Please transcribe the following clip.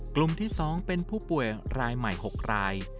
กลุ่มที่๒เป็นผู้ป่วยรายใหม่๖ราย